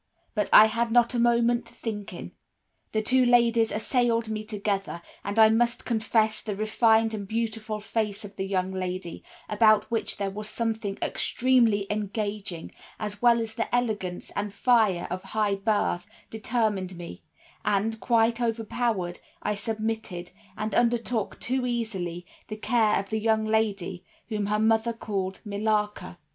But I had not a moment to think in. The two ladies assailed me together, and I must confess the refined and beautiful face of the young lady, about which there was something extremely engaging, as well as the elegance and fire of high birth, determined me; and, quite overpowered, I submitted, and undertook, too easily, the care of the young lady, whom her mother called Millarca.